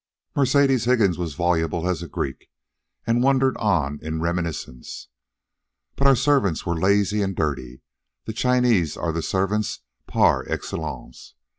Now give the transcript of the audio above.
Mercedes Higgins was voluble as a Greek, and wandered on in reminiscence. "But our servants were lazy and dirty. The Chinese are the servants par excellence.